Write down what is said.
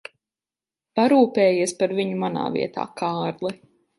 Parūpējies par viņu manā vietā, Kārli.